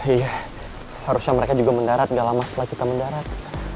iya harusnya mereka juga mendarat gak lama setelah kita mendarat